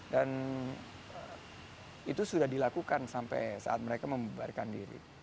dan itu sudah dilakukan sampai saat mereka membebarkan diri